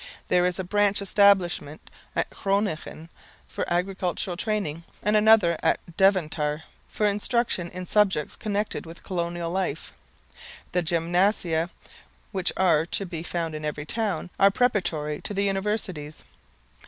There is a branch establishment at Groningen for agricultural training, and another at Deventer for instruction in subjects connected with colonial life. The gymnasia, which are to be found in every town, are preparatory to the universities.